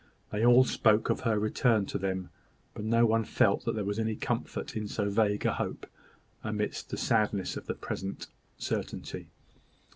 They all spoke of her return to them; but no one felt that there was any comfort in so vague a hope, amidst the sadness of the present certainty.